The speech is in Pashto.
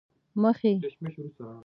مخې،